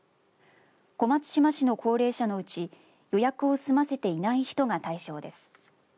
小松島市の高齢者のうち予約を済ませていない人が対象です。